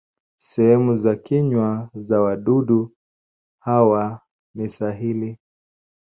Sehemu za kinywa za wadudu hawa ni sahili.